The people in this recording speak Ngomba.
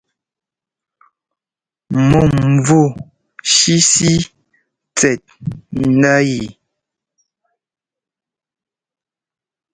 Mɔ̂mvú shíshí tsɛt ndá yɛ.